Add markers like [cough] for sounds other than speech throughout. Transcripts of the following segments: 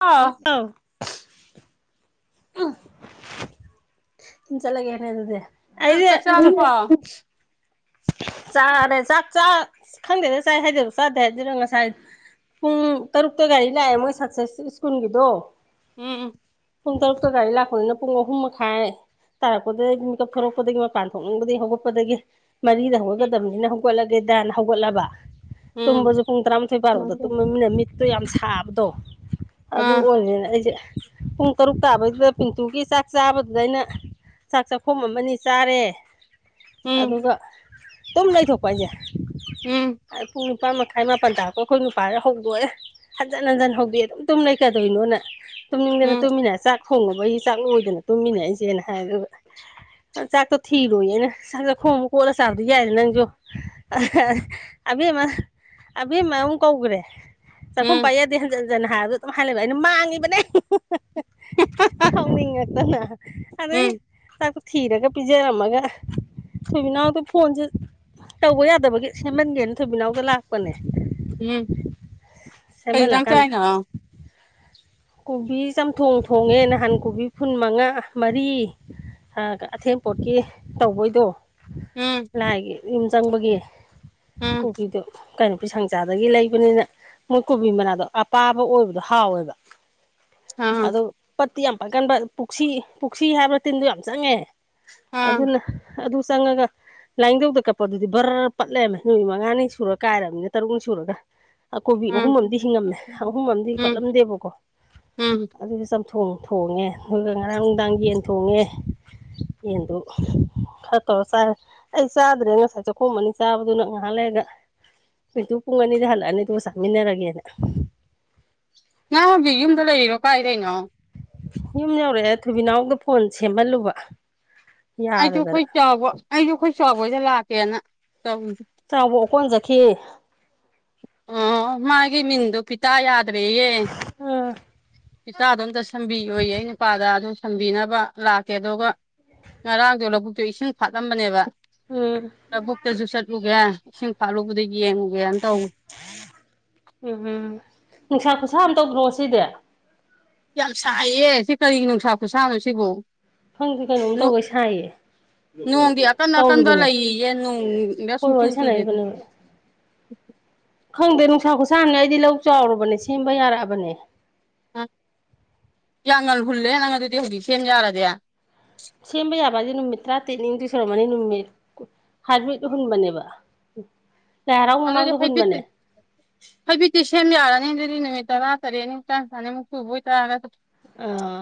ꯑ ꯍꯜꯂ‌ꯣ ꯑ ꯆꯂꯒꯦꯅꯦ ꯑꯗꯨꯗꯤ ꯅꯪ ꯑꯩꯗ ꯆꯥꯛ [unintelligible] ꯆꯥꯔꯕꯣ ꯆꯥꯔꯦ ꯆꯥꯛ ꯆꯥ ꯈꯪꯗꯦꯗ ꯆꯥꯏ ꯍꯥꯏꯗꯨꯏꯔꯥ ꯆꯥꯗꯦ ꯍꯥꯏꯗꯨꯏꯔꯥ ꯉꯁꯥꯏ ꯄꯨꯡ ꯇꯔꯨꯛꯇ ꯒꯥꯔꯤ ꯂꯥꯛꯑꯦ ꯃꯣꯏ ꯁꯛꯁꯦꯁ ꯁ꯭ꯀꯨꯜꯒꯤꯗꯣ ꯎꯝ ꯄꯨꯡ ꯇꯔꯨꯛꯇ ꯒꯥꯔꯤ ꯂꯥꯛꯄꯅꯤꯅ ꯄꯨꯡ ꯑꯍꯨꯝ ꯃꯈꯥꯏ ꯇꯥꯔꯛꯄꯗꯒꯤ ꯃꯤꯀꯞ ꯊ‌ꯣꯔꯛꯄꯗꯒꯤ ꯃꯄꯥꯟ ꯊꯣꯛꯅꯤꯡꯕꯗꯒꯤ ꯍꯧꯒꯠꯄꯗꯒꯤ ꯃꯔꯤꯗ ꯍꯧꯒꯠꯀꯗꯕꯅꯤꯅ ꯍꯧꯒꯠꯂꯒꯦ ꯗꯥꯅ ꯍꯧꯒꯠꯂꯕ ꯎꯝ ꯇꯨꯝꯕꯁꯨ ꯄꯨꯡ ꯇꯔꯥꯃꯥꯊꯣꯏ ꯑ ꯕꯥꯔꯣꯗ ꯇꯨꯝꯃꯝꯅꯤꯅ ꯃꯤꯠꯇ‌ꯣ ꯌꯥꯝ ꯁꯥꯕꯗꯣ ꯑꯗꯨ ꯎꯝ ꯑꯣꯏꯕꯅ ꯑꯩꯁꯦ ꯄꯨꯡ ꯇꯔꯨꯛ ꯇꯥꯕꯩꯗꯨꯗ ꯄꯤꯟꯇꯨꯒꯤ ꯆꯥꯛ ꯆꯥꯕꯗꯨꯗ ꯑꯩꯅ ꯆꯥꯛ ꯆꯥꯛꯈꯨꯝ ꯑꯃ ꯅꯤ ꯆꯥꯔꯦ ꯎꯝ ꯑꯗꯨꯒ ꯇꯨꯝ ꯂꯩꯊꯣꯛꯄ ꯑꯩꯁꯦ ꯑ ꯄꯨꯡ ꯅꯤꯄꯥꯟ ꯃꯈꯥꯏ ꯃꯥꯄꯟ ꯇꯥꯔꯛꯄ ꯑꯩꯈꯣꯏ ꯅꯨꯄꯥꯅ ꯍꯧꯗꯣꯛꯑꯦ ꯍꯟꯖꯤꯟ ꯍꯟꯖꯤꯟ ꯍꯧꯗ‌ꯣꯛꯑꯦ ꯑꯗꯨꯝ ꯇꯨꯝ ꯂꯩ ꯀꯩꯗꯧꯏꯅꯣꯅ ꯇꯨꯝꯅꯤꯡꯗꯅ ꯎꯝ ꯇꯨꯝꯃꯤꯅ‌ꯦ ꯆꯥꯛ ꯊꯣꯡꯉꯕꯩ ꯆꯥꯛ ꯂꯣꯏꯗꯅ ꯇꯨꯝꯃꯤꯅꯦ ꯑꯩꯁꯦꯅ ꯍꯥꯏ ꯑꯗꯨꯒ ꯆꯥꯛ ꯆꯥꯛꯇ‌ꯣ ꯊꯤꯔ‌ꯣꯏꯌ‌ꯦꯅ‌ꯦ ꯆꯥꯛ ꯆꯥꯈꯣꯝ ꯀ‌ꯣꯠꯂ ꯆꯥꯕꯗꯤ ꯌꯥꯏꯗꯅ ꯅꯪꯁꯨ ꯑꯕꯦꯝꯃ ꯑꯕ‌ꯦꯝꯃ ꯑꯃꯨꯛ ꯀꯧꯈꯔꯦ ꯆꯥꯛꯈꯨꯝ ꯎꯝ ꯄꯥꯏ ꯌꯥꯗ‌ꯦ ꯍꯟꯖꯟ ꯍꯟꯖꯟ ꯍꯥꯏꯔꯕꯗꯣ ꯑꯗꯨꯝ ꯍꯥꯏ ꯂꯩꯕ ꯑꯩꯅ ꯃꯥꯡꯉꯤꯕꯅꯦ ꯁꯥꯎꯅꯤꯡꯉꯥꯛꯇꯅ ꯑꯗꯩ ꯎꯝ ꯆꯥꯛꯇ‌ꯣ ꯊꯤꯔꯒ ꯄꯤꯖꯔꯝꯃꯒ ꯊꯣꯏꯕꯤꯅꯥꯎꯗꯣ ꯐꯣꯟꯁꯦ ꯇꯧꯕ ꯌꯥꯗꯕꯒꯤ ꯁꯦꯝꯃꯟꯒꯦꯅ ꯊꯣꯏꯕꯤꯅꯥꯎꯗ ꯂꯥꯛꯄꯅꯦ ꯎꯝ ꯀꯩ ꯏꯟꯁꯥꯡ ꯁꯦꯝꯍꯜꯂꯀꯥꯟꯗ ꯆꯥꯏꯅ‌ꯣ ꯀꯣꯕꯤ ꯆꯝꯊꯣꯡ ꯊꯣꯡꯉꯦ ꯅꯍꯟ ꯀꯣꯕꯤ ꯐꯨꯟ ꯃꯉꯥ ꯃꯔꯤ ꯑꯊꯦꯝꯄꯣꯠꯀꯤ ꯇꯧꯕꯩꯗꯣ ꯎꯝ ꯂꯥꯏꯒꯤ ꯌꯨꯝ ꯆꯪꯕꯒꯤ ꯎꯝ ꯀꯣꯕꯤꯗ‌ꯣ ꯀꯩꯅꯣ ꯄꯩꯁꯪ ꯆꯥꯕꯒꯤ ꯂꯩꯕꯅꯤꯅ ꯃꯣꯏ ꯀꯣꯕꯤ ꯃꯅꯥꯗꯣ ꯑꯄꯥꯕ ꯑꯣꯏꯕꯗꯣ ꯍꯥꯎꯋꯦꯕ ꯑ ꯑꯗꯨ ꯄꯠꯇꯤ ꯌꯥꯝ ꯄꯠꯀꯟꯕ ꯄꯨꯛꯁꯤ ꯄꯨꯛꯁꯤ ꯍꯥꯏꯕ꯭ꯔ ꯇꯤꯟꯗ‌ꯣ ꯌꯥꯝ ꯆꯪꯉꯦ ꯑ ꯑꯗꯨꯅ ꯑꯗꯨ ꯆꯪꯉꯒ ꯂꯥꯏꯅꯤꯡꯊꯧꯗ ꯀꯠꯄꯗꯨꯗꯤ ꯕꯔ ꯄꯠꯂꯦ ꯂꯩꯔꯝꯃꯦ ꯅꯨꯃꯤꯠ ꯃꯉꯥꯅꯤ ꯁꯨꯔ ꯀꯥꯏꯔꯅꯤ ꯇꯔꯨꯛꯅꯤ ꯁꯨꯔꯒ ꯑ ꯀꯣꯕꯤ ꯑꯍꯨꯝ ꯎꯝ ꯑꯝꯗꯤ ꯍꯤꯡꯉꯝꯃꯦ ꯑꯍꯨꯝ ꯑꯝꯗꯤ ꯎꯝ ꯄꯠꯂꯝꯗꯦꯕꯀꯣ ꯎꯝ ꯑꯗꯨꯗꯤ ꯆꯝꯊꯣꯡ ꯊ‌ꯣꯡ ꯊꯣꯡꯉꯦ ꯑꯗꯨꯒ ꯉꯔꯥꯡ ꯅꯨꯡꯗꯥꯡ ꯌꯦꯟ ꯊꯣꯡꯉꯦ ꯌꯦꯟꯗꯨ ꯈꯔ ꯇꯧꯔ ꯆꯥꯔ‌ꯦ ꯑꯩ ꯆꯥꯗ꯭ꯔꯦ ꯉꯁꯥꯏ ꯆꯥꯛꯈꯣꯝ ꯑꯅꯤ ꯆꯥꯕꯗꯨꯅ ꯉꯥꯏꯍꯥꯛ ꯂꯩꯔꯒ ꯃꯤꯠꯇꯨ ꯄꯨꯡ ꯑꯅꯤꯗ ꯍꯜꯂꯛꯑꯅꯤꯗꯨ ꯆꯠꯃꯤꯟꯅꯔꯒꯦꯅ ꯅꯍ ꯍꯕꯤ ꯌꯨꯝꯗ ꯂꯩꯔꯤꯅꯣ ꯀꯥꯏꯗꯩꯅꯣ ꯌꯨꯝ ꯌꯧꯔꯛꯑꯦ ꯊꯨꯕꯤꯅꯥꯎꯗ ꯐꯣꯟ ꯁꯦꯝꯍꯜꯂꯨꯕ ꯑꯩꯁꯨ ꯌꯥꯗꯗꯅ ꯑꯩꯈꯣꯏ ꯆꯥꯎꯕ ꯑꯩꯁꯨ ꯑꯩꯈꯣꯏ ꯆꯥꯎꯕꯗ ꯂꯥꯛꯀꯦꯅ ꯇꯧꯔꯤ ꯀꯣꯟ ꯆꯈꯤ ꯑꯣ ꯃꯥꯒꯤ ꯃꯤꯟꯗꯨꯣ ꯄꯤꯇꯥ ꯌꯥꯗ꯭ꯔꯦꯌꯦ ꯑꯥ ꯏꯆꯥꯗꯣ ꯑꯝꯇ ꯁꯝꯕꯤ ꯑꯣꯏꯌꯦ ꯑꯩ ꯅꯨꯄꯥꯗ ꯑꯗꯨꯝ ꯁꯝꯕꯤꯅꯕ ꯂꯥꯛꯀꯦ ꯑꯗꯨꯒ ꯉꯔꯥꯡꯗꯣ ꯂꯧꯕꯨꯛꯇꯣ ꯏꯁꯤꯡ ꯐꯥꯠꯂꯝꯕꯅꯦꯕ ꯎꯝ ꯂꯕꯨꯛꯇꯁꯨ ꯆꯠꯂꯨꯒꯦ ꯏꯁꯤꯡ ꯐꯥꯠꯂꯨꯕꯗ ꯌꯦꯡꯉꯨꯒꯦꯅ ꯇꯧꯋꯤ ꯎꯝ ꯎꯝ ꯅꯨꯡꯁꯥ ꯈꯨꯁꯥ ꯑꯃ ꯇꯧꯗ꯭ꯔꯣ ꯁꯤꯗꯤ ꯌꯥꯝ ꯁꯥꯏꯌꯦ ꯁꯤ ꯀꯔꯤ ꯅꯨꯡꯁꯥ ꯈꯨꯁꯥꯅꯣ ꯁꯤꯕꯨꯣ ꯐꯪꯗꯤꯦ ꯀꯩꯅꯣꯝ ꯇꯧꯒꯦ ꯁꯥꯏꯌꯦ ꯅꯣꯡꯗꯤ ꯑꯀꯟ ꯑꯀꯟꯕ ꯇꯧꯔꯤꯕꯅꯦ ꯂꯩꯌꯦ ꯅꯣꯡꯗ ꯍꯣꯏ ꯁꯨꯡꯆꯨ ꯋꯥꯔꯤ ꯆꯨꯗꯦꯗ ꯁꯥꯟꯅꯔꯤꯕꯅꯦꯕ ꯈꯪꯗꯦ ꯅꯨꯡꯁꯥ ꯈꯨꯁꯥꯅꯤ ꯑꯩꯗꯤ ꯂꯧ ꯆꯥꯎꯨꯕꯅꯦ ꯁꯦꯝꯕ ꯌꯥꯔꯛꯑꯕꯅꯦ ꯌꯥꯝꯌꯥꯒꯜ ꯍꯨꯜꯂꯦ ꯅꯪꯒꯜ ꯑꯗꯨꯗꯤ ꯍꯧꯖꯤꯛ ꯁꯦꯝ ꯌꯥꯔꯗꯤꯦ ꯁꯦꯝꯕ ꯌꯥꯕ ꯍꯥꯏꯁꯦ ꯅꯨꯃꯤꯠ ꯇꯔꯥ ꯇꯔꯦꯠꯅꯤꯗꯨ ꯁꯨꯔꯝꯃꯅꯤ ꯅꯨꯃꯤꯠ ꯍꯥꯏꯕ꯭ꯔꯤꯠ ꯍꯨꯟꯕꯅꯦꯕ ꯎ ꯑꯗꯨꯑꯣꯗꯤ ꯍꯥꯏꯩꯕꯤꯠꯇꯤ ꯍꯥꯏꯩꯕꯤꯠꯇꯤ ꯁꯦꯝ ꯌꯥꯔꯅꯤ ꯑꯗꯨꯗꯤ ꯅꯨꯃꯤꯠꯇꯔꯥꯔꯤꯅꯤ ꯆꯥꯟꯁꯃ ꯍꯣꯏꯇꯥꯔꯒ ꯑꯥ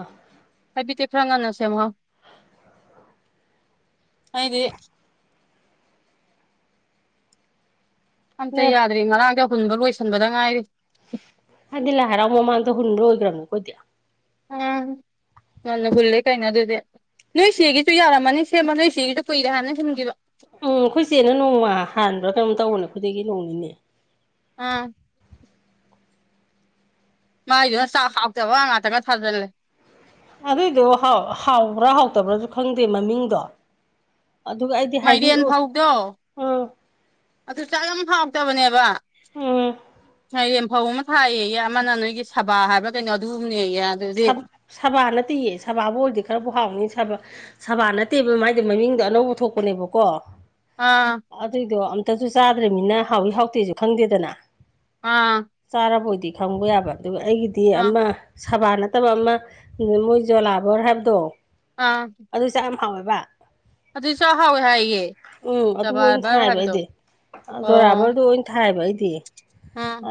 ꯈꯔ ꯉꯟꯅꯁꯦꯃꯨꯣ ꯑꯩꯗꯤꯕꯂ ꯑꯝꯇ ꯌꯥꯗ꯭ꯔꯤ ꯉꯔꯥꯡꯗꯤ ꯍꯨꯟꯕ ꯂꯣꯏꯁꯤꯟꯕꯗ ꯉꯥꯏꯔꯤ ꯑꯗꯨꯗꯤ ꯂ ꯍꯔꯥꯎꯃꯃꯗ ꯍꯨꯟ ꯑꯣꯏꯣꯏꯒ꯭ꯔꯃꯦ ꯀꯣꯠꯇꯌꯥ ꯑꯥ ꯌꯥꯝꯅ ꯍꯨꯜꯂꯦ ꯀꯩꯅꯣ ꯑꯗꯨꯗꯤ ꯅꯣꯏ ꯁꯤꯒꯤꯁꯨ ꯌꯥꯔꯝꯃꯅꯤ ꯁꯦꯝꯕ ꯅꯣꯏ ꯁꯤꯒꯤꯁꯨ ꯀꯨꯏꯔꯦ ꯍꯥꯟꯅ ꯍꯟꯈꯤꯕ ꯎꯝ ꯑꯩꯈꯣꯏꯆꯦꯅ ꯅꯣꯡꯃ ꯍꯥꯟꯕ꯭ꯔꯥ ꯀꯩꯅꯣꯝ ꯇꯧꯕꯅꯦ ꯈꯨꯈꯩꯒꯤ ꯅꯣꯡꯅꯤꯅꯦ ꯑꯥ ꯃꯥꯏꯗꯨꯅ ꯆꯥꯛ ꯍꯥꯎꯇꯕ ꯉꯥꯛꯇꯪꯒ ꯊꯥꯖꯤꯜꯂꯦ ꯑꯗꯨꯏꯗꯣ ꯍꯥꯎꯕ꯭ꯔꯥ ꯍꯥꯎꯇꯕ꯭ꯔꯥꯁꯨ ꯈꯪꯗꯦ ꯃꯃꯤꯡꯗꯣ ꯑꯗꯨꯒ ꯑꯩꯗꯤ ꯃꯥꯏꯔꯦꯟ ꯍꯥꯏꯕꯤꯔꯛꯑꯣ ꯐꯧꯗꯣ ꯎꯝ ꯑꯗꯨ ꯆꯥꯛ ꯌꯥꯝ ꯐꯥꯎꯗꯕꯅꯦꯕ ꯎꯝ ꯦꯝꯐꯧ ꯑꯃ ꯊꯥꯏꯑ ꯑꯃꯅ ꯅꯣꯏꯒꯤ ꯁꯕꯥ ꯍꯥꯏꯕ꯭ꯔꯥ ꯀꯩꯅꯣ ꯑꯗꯨꯗꯤ ꯁꯕꯥ ꯅꯠꯇꯦꯌꯦ ꯁꯕꯥꯕꯨ ꯑꯣꯏꯗꯤ ꯈꯔꯕꯨ ꯍꯥꯎꯅꯤ ꯁꯕꯥ ꯅꯠꯇꯦꯕ ꯃꯥꯏꯗꯤ ꯃꯃꯤꯡꯗꯣ ꯑꯅꯧꯕ ꯊꯣꯛꯄꯅꯦꯕꯀꯣ ꯑꯥ ꯑꯗꯨꯏꯗꯣ ꯑ ꯛꯇꯁꯨ ꯆꯥꯗ꯭ꯔꯔꯤꯕꯅꯤꯅ ꯍꯥꯎꯏꯤ ꯍꯥꯎꯇꯦꯁꯨ ꯈꯪꯗꯦꯗꯅ ꯑꯥ ꯆꯥꯔꯕꯣꯏꯗꯤ ꯈꯪꯕ ꯌꯥꯕ ꯑꯗꯨꯒ ꯑꯩꯒꯤꯗꯤ ꯑꯥ ꯑꯃ ꯁꯥꯕꯥ ꯅꯠꯇꯕ ꯑꯃ ꯃꯣꯏ ꯖꯣꯂꯥꯕꯔ ꯍꯥꯏꯕꯗꯣ ꯑꯥ ꯐꯥꯎꯕ ꯑꯗꯨꯏ ꯆꯥꯛꯍꯥꯎꯋꯦ ꯍꯥꯏꯌꯦꯦ ꯕꯥꯕꯔ ꯍꯥꯏꯕꯗꯧ ꯕꯣꯔꯥꯕꯔꯗꯣ ꯑꯣꯏꯅ ꯊꯥꯏꯕ ꯑꯩꯗꯤ ꯎꯝ ꯑ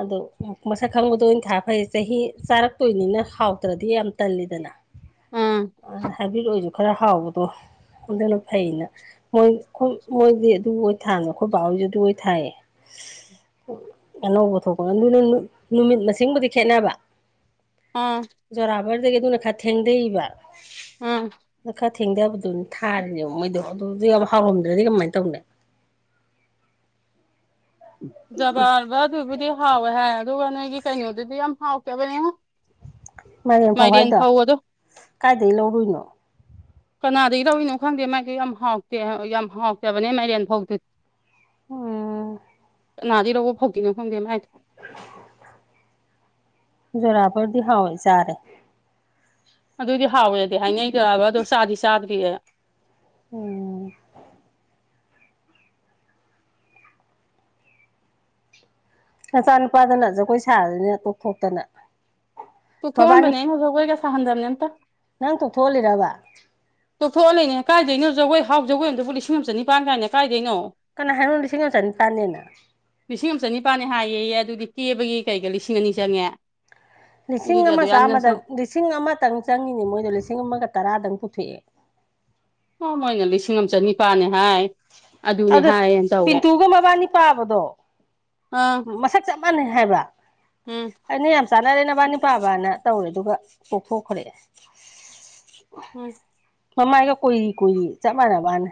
ꯃꯁꯛ ꯈꯪꯕꯗꯣ ꯑꯣꯏꯅ ꯊꯥ ꯐꯩ ꯆꯍꯤ ꯆꯥꯔꯛꯇꯣꯏꯅꯤꯅ ꯍꯥꯎꯗ꯭ꯔꯗꯤ ꯌꯥꯝ ꯇꯜꯂꯤꯗꯅ ꯎꯝ ꯑ ꯍꯥꯏꯕꯤꯠ ꯑꯣꯏꯁꯨ ꯈꯔ ꯍꯥꯎꯕꯗꯣ ꯍꯟꯗꯅ ꯐꯩꯅ ꯃꯣꯏ ꯑꯩꯈꯣꯏ ꯃꯣꯏꯗꯤ ꯑꯗꯨ ꯑꯣꯏ ꯊꯥꯕꯅ ꯑꯩꯈꯣꯏ ꯕꯥꯕꯣꯏꯁꯦ ꯑꯗꯨ ꯑꯣꯏ ꯊꯥꯏꯌꯦ ꯑꯅꯧꯕ ꯊꯣꯛꯄ ꯑꯗꯨꯅ ꯅꯨꯃꯤꯠ ꯃꯁꯤꯡꯕꯨꯗꯤ ꯈꯦꯠꯅꯕ ꯑꯝ ꯖꯣꯔꯥꯕꯔꯗꯒꯤ ꯑꯗꯨꯅ ꯈꯔ ꯊꯦꯡꯗꯩꯕ ꯎꯝ ꯈꯔ ꯊꯦꯡꯊꯕꯗꯨꯅꯤ ꯊꯥꯔꯤꯅꯦꯕ ꯃꯩꯗꯣ ꯑꯗꯨ ꯌꯥꯝ ꯍꯥꯎꯔꯝꯗ꯭ꯔꯗꯤ ꯀꯃꯥꯏꯅ ꯇꯧꯅꯤ ꯖꯕꯥꯕ ꯑꯗꯨꯕꯨꯗꯤ ꯍꯥꯎꯋꯦ ꯍꯥꯏ ꯑꯗꯨꯒ ꯅꯣꯏꯒꯤ ꯀꯩꯅꯣꯗꯨꯗꯤ ꯌꯥꯝ ꯍꯥꯎꯇꯕꯅꯦ ꯃꯥꯏꯔꯦꯟ ꯃꯥꯥꯏꯗꯤ ꯐꯧꯍꯥꯏꯗꯣ ꯑꯦꯟꯐꯥꯎꯗ ꯀꯥꯏꯗꯒꯤ ꯂꯧꯔꯨꯏꯅꯣ ꯀꯅꯥꯗꯒꯤ ꯇꯧꯔꯤꯅꯣ ꯈꯪꯗꯦ ꯃꯥꯏꯗꯨꯣ ꯌꯥꯝ ꯍꯥꯎꯇꯦ ꯌꯥꯝ ꯍꯥꯎꯇꯕꯅꯦ ꯃꯥꯏꯔꯦꯟꯐꯥꯎꯇ ꯎꯝ ꯀꯅꯥꯗꯤ ꯔꯧꯕ ꯐꯧꯗꯤꯦꯅꯦ ꯐꯪꯗꯦ ꯃꯃꯥꯏꯗꯣ [inaudible] [unintelligible] ꯔꯕꯔꯗꯤ ꯍꯣꯏ ꯆꯔꯦ ꯑꯗꯨꯏꯗꯤ ꯍꯥꯎꯋꯦꯗꯤ ꯍꯥꯏꯅꯩꯗꯕ ꯑꯗꯣ ꯆꯥꯗꯤ ꯆꯥꯗ꯭ꯔꯤꯌꯦ ꯎꯝ ꯅꯆꯥ ꯅꯨꯨꯄꯥꯗꯅ ꯖꯒꯣꯏ ꯁꯥꯔꯁꯤꯅꯦ ꯇꯣꯞ ꯊꯣꯛꯣꯛꯇꯅ ꯇꯨ ꯊꯣꯡꯕꯅꯦ ꯍꯧꯖꯒꯣꯏ ꯀꯁꯍꯟꯗꯅꯤꯇ ꯅꯪ ꯇꯣꯛꯊꯣꯛꯍꯜꯂꯤꯔꯕ ꯇꯣꯛꯊꯣꯛꯑꯂ ꯂꯩꯅꯦ ꯀꯥꯏꯗꯣꯏꯅꯣ ꯖꯒꯣꯏ ꯍꯥꯎ ꯖꯒꯣꯏ ꯑꯣꯏꯅꯗꯕꯨ ꯂꯤꯁꯤꯡ ꯑꯃ ꯆ ꯅꯤꯄꯥꯟ ꯀꯥꯏꯅꯦ ꯀꯥꯏꯗꯣꯏꯅꯣ ꯀꯅꯥ ꯍꯥꯏꯅꯣ ꯂꯤꯁꯤꯡ ꯑꯃ ꯆꯅꯤꯄꯥꯟꯅꯦꯅ ꯂꯤꯁꯤꯡ ꯑꯃ ꯆꯅꯤꯄꯥꯜꯅꯦ ꯍꯥꯏꯌꯦ ꯑꯗꯨꯗꯤ ꯀꯦꯕꯒꯤ ꯀꯩꯀ ꯂꯤꯁꯤꯡ ꯑꯅꯤ ꯆꯪꯉꯦ ꯂꯤꯁꯤꯡ ꯑꯗꯨꯗꯤ ꯑꯃ ꯑꯗꯨ ꯌꯥꯝꯅ ꯆꯥꯝꯃꯗꯪ ꯆꯪ ꯂꯤꯁꯤꯡ ꯑꯃꯇꯪ ꯆꯪꯉꯤꯅꯤ ꯃꯣꯏꯗꯣ ꯂꯤꯁꯤꯡ ꯑꯃꯒ ꯇꯔꯥꯗꯪ ꯊꯦꯛ ꯃꯣꯏ ꯑꯣꯏꯅ ꯂꯤꯁꯤꯡ ꯑꯃ ꯆꯅꯤ ꯑꯗꯨ ꯇꯧꯔꯦ ꯄꯤꯟꯇꯨꯒ ꯃꯕꯥꯅꯤ ꯄꯥꯕꯗꯣ ꯑꯥ ꯃꯁꯛ ꯆ ꯆꯞ ꯃꯥꯟꯅꯩ ꯍꯥꯏꯕ ꯎꯝ ꯑꯩꯅ ꯌꯥꯝ ꯆꯥꯟꯅꯔꯦ ꯅꯕꯥꯅꯤꯄꯥꯕꯅ ꯇꯧꯔꯦ ꯑꯗꯨꯒ ꯄꯈꯣ ꯈꯔ ꯎꯝ ꯃꯃꯥꯏꯒ ꯀꯣꯏꯏꯔꯤ ꯀꯨꯏꯔꯤ ꯆꯞ ꯃꯥꯟꯅꯕꯅꯦ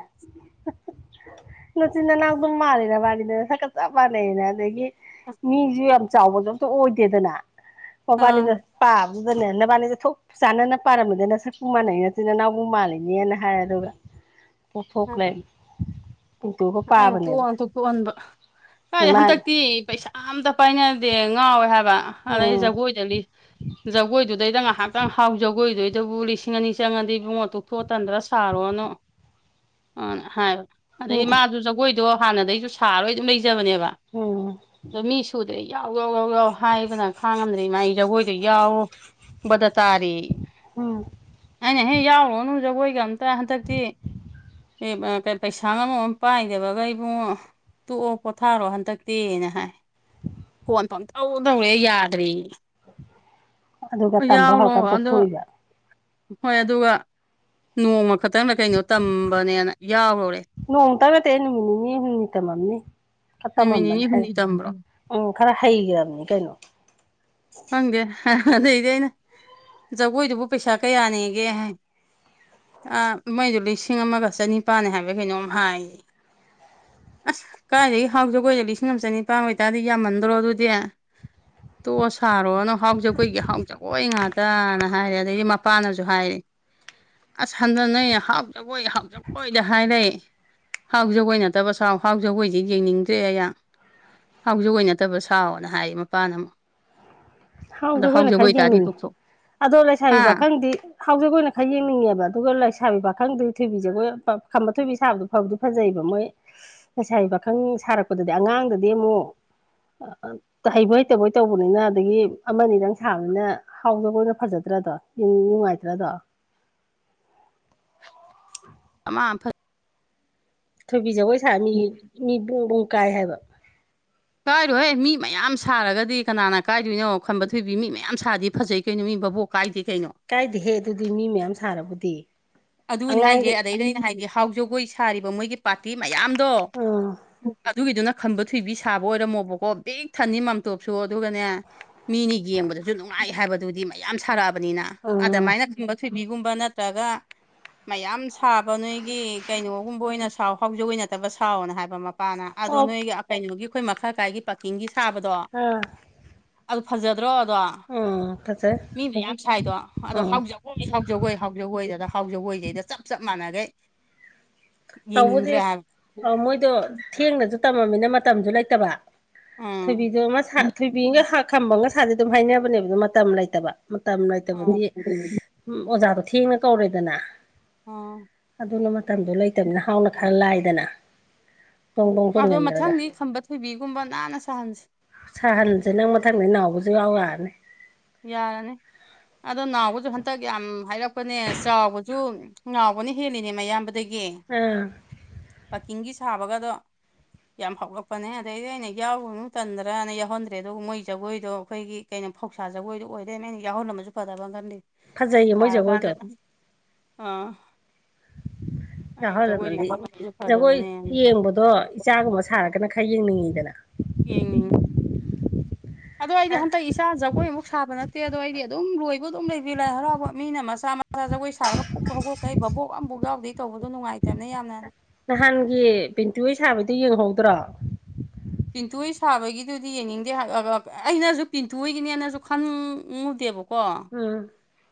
ꯅꯆꯤꯟ ꯅꯅꯥ ꯑꯗꯨꯝ ꯃꯥꯜꯜꯂꯤꯦꯅ ꯃꯥꯜꯂꯤꯗꯅ ꯁꯀꯠ ꯆꯞ ꯃꯥꯟꯅꯩꯅ ꯑꯗꯒꯤ ꯃꯤꯁꯨ ꯌꯥꯝ ꯆꯥꯎꯕꯁꯨ ꯑꯝꯇ ꯑꯣꯏꯗꯦꯗꯅ ꯑꯥ ꯃꯕꯥꯅꯤꯗ ꯄꯥ ꯑꯗꯨꯗꯅꯦ ꯅꯕꯥꯅꯤꯁ ꯊꯣꯛ ꯆꯥꯅꯅ ꯄꯥꯔꯝꯕꯅꯤ ꯅ ꯁꯛꯄꯨ ꯃꯥꯟꯅꯩ ꯅꯠꯇꯣꯏꯅ ꯅꯅꯥꯎꯕꯨ ꯃꯥꯥꯟꯜꯂꯤꯅꯦꯅ ꯍꯥꯏ ꯑꯗꯨꯒ ꯄꯊꯣꯛꯈ ꯑꯥ ꯂꯩ ꯑꯩꯅ ꯇꯣꯛꯉꯇꯊꯣꯛꯍꯟꯕ ꯀꯥꯏ ꯃꯥꯅ ꯍꯟꯗꯛꯇꯤ ꯄꯩꯁꯥ ꯑꯝꯇ ꯄꯥꯏꯅ ꯗꯦ ꯉꯥꯎꯋꯦ ꯍꯥꯏꯕ ꯑꯗꯩ ꯎꯝ ꯖꯒꯣꯏꯗ ꯖꯒꯣꯏꯗꯨꯗꯩꯗ ꯉꯥꯏꯍꯥꯛꯇꯪ ꯍꯥꯎ ꯖꯒꯣꯏꯗ ꯑꯗꯨꯕꯨ ꯂꯤꯁꯤꯡ ꯑꯅꯤ ꯆꯪꯉꯗꯤ ꯏ ꯄꯕꯨꯡꯉꯣ ꯇꯣꯛꯊꯣꯛꯑꯇꯟꯗ꯭ꯔꯥ ꯁꯥꯔꯣꯅꯨ ꯑ ꯍꯥꯏꯕ ꯑꯗꯗꯒꯤ ꯃꯥꯗꯨ ꯖꯒꯣꯏꯗꯣ ꯍꯥꯟꯅꯗꯒꯤꯩꯁꯨ ꯁꯥꯔꯣꯏ ꯑꯗꯨꯝ ꯂꯩꯖꯕꯅꯦꯕ ꯎꯝ ꯑꯗꯣ ꯃꯤ ꯁꯨ ꯁꯤꯗ ꯌꯥꯎ ꯌꯥꯎ ꯌꯥꯎ ꯌꯥꯎ ꯍꯥꯏꯕꯅ ꯈꯥꯡꯉꯝꯗꯦ ꯃꯥꯥꯏ ꯖꯒꯣꯏꯗꯣ ꯌꯥꯎꯕꯗ ꯇꯥꯔꯤ ꯎꯝ ꯑꯅꯤ ꯍ ꯌꯥꯎꯅꯖꯒꯣꯏ ꯀꯝꯇ ꯍꯟꯗꯛꯇꯤ ꯄꯩꯁꯥ ꯉꯃ ꯄꯥꯏꯗꯕꯒ ꯑꯩꯕꯨꯡꯉ ꯇꯣꯛꯑꯣ ꯄꯣꯊꯥꯔꯣ ꯍꯟꯗꯛꯇꯦꯅ ꯍꯥꯏ ꯐꯣꯟ ꯐꯣ ꯑꯝꯇꯧ ꯇꯧꯋꯦ ꯌꯥꯗ꯭ꯔꯤ ꯑꯗꯨꯒ ꯇꯝꯕ ꯌꯥꯎꯔꯣ ꯍꯧꯔꯀꯥꯟꯗ ꯑꯗꯣ ꯇꯣꯛꯊꯣꯛꯏꯕ ꯍꯣꯏ ꯑꯗꯨꯒ ꯅꯣꯡꯃ ꯈꯛꯇꯪꯂ ꯀꯩꯅꯣ ꯇꯝꯕꯅꯦꯅ ꯌꯥꯎꯔꯨꯔꯦ ꯅꯣꯡ ꯇ ꯇꯅꯃꯤꯅꯤꯅꯤ ꯍ ꯃꯤꯅꯤꯇ ꯃꯃꯅꯤ ꯈꯔ ꯅꯨꯃꯤꯠ ꯇꯝꯃꯝꯕꯅꯦ ꯅꯤꯅꯤ ꯍꯥꯏ ꯍꯨꯝꯅꯤ ꯇꯝꯕ꯭ꯔꯣ ꯎꯝ ꯈꯔ ꯍꯩꯈ꯭ꯔꯕꯅꯤ ꯀꯩꯅꯣ ꯈꯪꯗꯦ ꯑꯗꯩꯗꯤ ꯑꯩꯅ ꯖꯒꯣꯏꯗꯨꯕꯨ ꯄꯩꯁꯥ ꯀꯌꯥꯅꯦꯒꯦ ꯍꯥꯏ ꯃꯩꯗꯣ ꯂꯤꯁꯤꯡ ꯑꯃꯒ ꯆꯅꯤꯄꯥꯜꯅꯤ ꯍꯥꯏꯕ ꯀꯩꯅꯣꯝ ꯍꯥꯏꯌꯦ ꯑꯁ ꯀꯥꯏꯏꯗꯒꯤ ꯍꯥꯎꯖꯒꯅ ꯂꯤꯁꯤꯡ ꯑꯃ ꯆꯅꯤꯄꯥꯟ ꯑꯣꯏꯇꯥꯔꯗꯤ ꯌꯥꯝꯃꯟꯗ꯭ꯔꯣ ꯑꯗꯨꯗꯤ ꯇꯣꯁ ꯁꯥꯔꯣꯅ ꯍꯥꯎꯖ ꯀꯨꯣꯏꯒꯤ ꯍꯥꯎ ꯖꯒꯣꯏ ꯉꯥꯛꯇꯅ ꯍꯥꯏꯔꯦ ꯑꯗꯗꯒꯤ ꯃꯄꯥꯅꯁꯨ ꯍꯥꯏꯔꯦ ꯑꯁ ꯍꯟꯗꯅ ꯍꯥꯎꯆꯈꯣꯏ ꯍꯥꯎꯆꯈꯣꯏꯗ ꯍꯥꯏꯔꯛꯑ ꯍꯥꯎ ꯖꯒꯣꯏ ꯅꯠꯇꯕ ꯁꯥꯎ ꯍꯥꯎ ꯖꯒꯣꯏꯗꯤ ꯌꯦꯡꯅꯤꯡꯗ꯭ꯔꯦ ꯑꯩꯍꯥꯛ ꯍꯧꯥꯎꯖꯤꯛ ꯑꯣꯏꯅ ꯅꯠꯇꯕ ꯁꯥꯎꯅ ꯍꯥꯏ ꯃꯄꯥꯅ ꯑꯃꯨꯛ ꯑꯗꯣ ꯍꯥꯎꯗ ꯀꯣꯏꯅ ꯍꯥꯎꯖꯕ ꯑꯣꯏꯇꯥꯔꯗꯤ ꯈꯥꯏꯖꯅꯤ ꯇꯣꯛꯊꯣꯛ ꯑꯗꯣ ꯂꯩꯥꯏꯁꯥꯕꯤ ꯄꯥ ꯍꯥ ꯈꯪꯗꯤ ꯍꯧꯖꯤꯛ ꯑꯣꯏꯅ ꯈꯔ ꯌꯦꯡꯅꯤꯡꯉꯦꯕ ꯑꯗꯨꯒ ꯂꯩꯥꯏꯁꯥꯕꯤ ꯄꯥꯈꯪꯗꯤ ꯊꯣꯏꯕꯤꯁꯦ ꯑꯩꯈꯣꯏ ꯈꯝꯕ ꯊꯣꯏꯕꯤ ꯁꯥꯕꯗꯣ ꯐꯕꯗꯤ ꯐꯖꯩꯕ ꯃꯣꯏ ꯉꯁꯥꯏ ꯄꯥꯈꯪ ꯁꯥꯔꯛꯄꯗꯗꯤ ꯑꯉꯥꯡ ꯑꯉꯥꯡꯗꯗꯤ ꯑꯃꯨꯛ ꯍꯩꯕ ꯍꯩꯇꯕꯣꯏ ꯇꯧꯕꯅꯤꯅ ꯑꯗꯒꯤ ꯑꯃꯅꯤ ꯅꯪ ꯁꯥꯕꯅꯤꯅ ꯍꯥꯎꯗ ꯑꯣꯏꯅ ꯐꯖꯗ꯭ꯔꯗꯣ ꯌ ꯅꯨꯡꯉꯥꯏꯇ꯭ꯔꯗꯣ [inaudible] [unintelligible] ꯑꯃ ꯐ ꯊꯣꯏꯕꯤ ꯖꯒꯣꯏ ꯁꯥ ꯃꯤ ꯃꯤꯨꯡꯕꯨꯡ ꯀꯥꯏ ꯍꯥꯏꯕ ꯀꯥꯏꯔꯣꯍꯦ ꯃꯤ ꯃꯌꯥꯝ ꯁꯥꯔꯒꯗꯤ ꯀꯅꯥꯅ ꯀꯥꯏꯗꯣꯏꯅꯣ ꯈꯟꯕ ꯊꯣꯏꯏꯕꯤ ꯃꯤ ꯃꯌꯥꯝ ꯁꯥꯗꯤ ꯐꯖꯩ ꯀꯩꯅꯣ ꯃꯤ ꯕꯣꯛ ꯀꯥꯏꯗꯦ ꯀꯩꯅꯣ ꯀꯥꯏꯗꯦꯍꯦ ꯑꯗꯨꯗꯤ ꯃꯤ ꯃꯌꯥꯝ ꯁꯥꯔꯕꯨꯗꯤ ꯑꯗꯨꯅꯤ ꯍꯥꯏꯒꯦ ꯑꯉꯥꯡꯒꯤ ꯑꯗꯩ ꯅꯦ ꯑꯩꯅ ꯍꯥꯏꯒꯦ ꯍꯥꯎ ꯖꯒꯣꯏ ꯁꯥꯔꯤꯕ ꯃꯣꯏꯒꯤ ꯄꯥꯔꯇꯤ ꯃꯌꯥꯝꯗꯣ ꯑꯥ ꯑꯗꯨꯒꯤꯗꯨꯅ ꯈꯟꯕ ꯊꯣꯏꯕꯤ ꯁꯥꯕ ꯑꯣꯏꯔꯝꯃꯣꯕꯀꯣ ꯕꯦꯛ ꯊꯟꯅꯤ ꯃꯥꯝꯇꯣꯞꯁꯨ ꯑꯗꯨꯒꯅꯦ ꯃꯤꯅꯤ ꯌꯦꯡ ꯕꯗꯁꯨ ꯅꯨꯡꯉꯥꯏ ꯍꯥꯏꯕꯗꯨꯗꯤ ꯃꯌꯥꯝ ꯁꯥꯔꯛꯑꯕꯅꯤꯅ ꯑꯥ ꯑꯗꯨꯃꯥꯏꯅꯨꯝꯕ ꯊꯣꯏꯕꯤꯒꯨꯝꯕ ꯅꯠꯇ꯭ꯔꯒ ꯃꯌꯥꯝ ꯁꯥꯕ ꯅꯣꯏꯒꯤ ꯀꯩꯅꯣꯒꯨꯝꯕ ꯑꯣꯏꯅ ꯁꯥꯎ ꯍꯧꯥꯎꯖꯤꯛ ꯑꯣꯏꯅꯠꯇꯕ ꯁꯥꯎꯋꯅ ꯍꯥꯏꯕ ꯃꯄꯥꯅ ꯑꯗꯣ ꯑꯣ ꯅꯣꯏꯒꯤ ꯀꯩꯅꯣꯒꯤ ꯑꯩꯈꯣꯏ ꯃꯈꯜ ꯀꯥꯏꯒꯤ ꯄꯥꯀꯤꯡꯒꯤ ꯁꯥꯕꯗꯣ ꯑꯥ ꯑꯗꯨ ꯐꯖꯗ꯭ꯔꯣ ꯑꯗꯣ ꯑꯥ ꯐꯖꯩ ꯃꯤꯅ ꯌꯥꯝ ꯁꯥꯏꯗꯣ ꯑꯗꯣ ꯑꯥ ꯍꯥꯎ ꯖꯒꯣꯏ ꯍꯥꯎ ꯖꯒꯣꯏ ꯍꯥꯎ ꯖꯒꯣꯏꯗ ꯍꯥꯎꯖꯒꯣꯏꯗꯩꯗ ꯆꯞ ꯆꯞ ꯃꯥꯟꯅꯈꯩ ꯇꯧꯕꯗꯤ ꯌꯦꯡꯅꯤꯡꯗ꯭ꯔꯦ ꯍꯥꯏꯕ ꯃꯣꯏꯗꯣ ꯊꯦꯡꯅꯁꯨ ꯇꯝꯃꯃꯤꯅ ꯃꯇꯝꯁꯨ ꯂꯩꯇꯕ ꯎꯝ ꯊꯣꯏꯕꯤꯗꯣ ꯑꯃ ꯁꯥ ꯊꯣꯏꯕꯤꯒ ꯈꯝꯕꯒꯁꯥꯁꯦ ꯑꯗꯨꯝ ꯍꯥꯏꯅꯕꯅꯦꯕ ꯃꯇꯝ ꯂꯩꯇꯕ ꯃꯇꯝ ꯑꯥ ꯂꯩꯅꯥꯏꯇꯕꯗꯤ ꯎ ꯑꯣꯖꯥꯗꯣ ꯊꯦꯡꯅ ꯀꯧꯔꯦꯗꯅ ꯑꯥ ꯑꯗꯨꯅ ꯃꯇꯝꯗꯣ ꯂꯩꯇꯕꯅ ꯍꯥꯎꯅ ꯈꯔ ꯂꯥꯏꯗꯅ ꯗꯣꯡ ꯗꯣꯡ ꯑꯗꯣ ꯇꯣꯡꯁꯤꯟꯈ꯭ꯔꯒ ꯃꯊꯪꯗꯤ ꯈꯝꯕ ꯊꯣꯏꯕꯤꯒꯨꯝꯕ ꯅꯥꯟꯅ ꯁꯥꯍꯟꯁꯤ ꯁꯍꯟꯁꯤ ꯅꯪ ꯃꯊꯪꯗꯤ ꯅꯥꯎꯕꯁꯨ ꯌꯥꯎ ꯌꯥꯔꯅꯤ ꯌꯥꯔꯅꯤ ꯑꯗꯣ ꯅꯥꯎꯕꯁꯨ ꯍꯟꯇꯛ ꯌꯥꯝ ꯍꯥꯏꯔꯛ ꯄꯅꯦ ꯆꯥꯎꯕꯁꯨ ꯅꯥꯎꯕꯁꯨ ꯍꯦꯜꯂꯤꯅꯦ ꯑꯌꯥꯝꯕꯗꯒꯤ ꯑꯥ ꯆꯤꯡꯒꯤ ꯁꯥꯕꯒꯗꯣ ꯌꯥꯝ ꯍꯥꯎꯂꯛꯄꯅꯦ ꯑꯗꯩꯗꯤ ꯑꯩꯅ ꯌꯥꯎꯨ ꯇꯟꯗ꯭ꯔꯅ ꯌꯥꯎꯍꯟꯗ꯭ꯔꯦ ꯑꯗꯨꯒ ꯃꯣꯏ ꯖꯒꯣꯏꯗꯣ ꯑꯩꯈꯣꯏꯒꯤ ꯀꯩꯅꯣ ꯐꯧ ꯁꯥ ꯖꯣꯏꯗꯨ ꯑꯣꯏꯔꯦꯅ ꯑꯩꯅ ꯌꯥꯎꯍꯟꯅꯕꯁꯨ ꯐꯗꯕ ꯑꯃ ꯈꯜꯂꯤ ꯐꯖꯩꯌꯦ ꯃꯣꯏ ꯖꯒꯣꯏꯗꯣ ꯑꯥ [inaudible] ꯑꯩꯅ ꯖꯒꯣꯏꯗꯣ ꯌꯥꯎꯍꯜꯃꯗꯤ ꯌꯥꯎꯍꯜꯂꯝꯃꯁꯨ ꯖꯒꯣꯏ ꯐꯗꯕꯅꯦꯅ ꯌꯦꯡꯕꯗꯣ ꯏꯆꯥꯒꯨꯝꯕ ꯁꯥꯔꯒꯅ ꯈꯔ ꯌꯦꯡꯅꯤꯡꯉꯤꯗꯅ ꯌꯦꯡꯅꯤꯡꯉꯤ ꯑꯗꯣ ꯑꯩꯗꯤ ꯍꯟꯗꯛ ꯏꯆꯥ ꯖꯒꯣꯏꯃꯨꯛ ꯁꯥꯕ ꯅꯠ ꯇꯦ ꯑꯗꯣ ꯑꯩꯗꯤ ꯑꯗꯨꯝ ꯂꯣꯏꯕ ꯑꯗꯨꯝ ꯂꯩꯕꯤ ꯂꯥꯏ ꯍꯔꯥꯎꯕ ꯃꯤꯅ ꯃꯆꯥ ꯃꯆꯥ ꯖꯒꯣꯏ ꯁꯥꯔꯒ ꯐꯨꯄ ꯍꯧꯒꯠꯄꯩ ꯕꯥꯕꯣꯛ ꯑꯃ ꯌꯥꯎꯗꯦ ꯇꯧꯕꯗꯣ ꯅꯨꯡꯉꯥꯏꯇꯕꯅꯦ ꯌꯥꯝꯅ ꯅꯍꯥꯟꯒꯤ ꯄꯦꯟꯇꯨꯍꯣꯏ ꯁꯥꯕꯗꯣ ꯌꯦꯡꯍꯧꯗ꯭ꯔꯣ ꯄꯤꯟꯇꯨꯍꯣꯏ ꯁꯥꯕꯒꯤꯗꯨꯗꯤ ꯌꯦꯡꯅꯤꯡꯗꯦ ꯑ ꯑ ꯑꯩꯅꯁꯨ ꯄꯤꯟꯊꯣꯏꯒꯤꯅꯦꯅꯁꯨ ꯈꯪꯉꯨꯗꯦꯕ ꯀꯣ ꯎꯝ